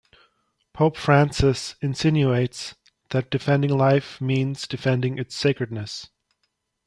Pope Francis insinuates that defending life means defending its sacredness.